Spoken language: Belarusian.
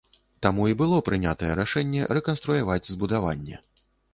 Таму і было прынятае рашэнне рэканструяваць збудаванне.